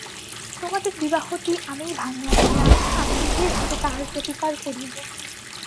তোমাদের বিবাহটি আমিই ভাঙিয়াছিলাম, আমি নিজের হাতে তাহার প্রতিকার করিব।